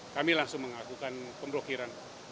kami langsung melakukan pemblokiran